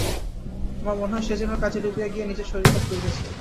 আমার মনে হয় সে যেন কাজে ডুবিয়া গিয়া নিজের শরীরপাত করিতেছে।